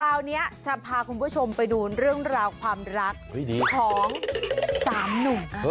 คราวนี้จะพาคุณผู้ชมไปดูเรื่องราวความรักของสามหนุ่ม